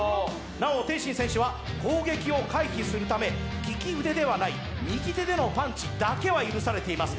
なお天心選手は攻撃を回避するため、利き腕ではない右手でのパンチだけは許されています。